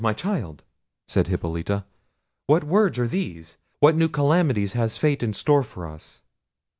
my child;" said Hippolita, "what words are these! what new calamities has fate in store for us!